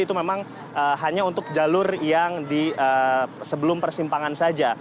itu memang hanya untuk jalur yang di sebelum persimpangan saja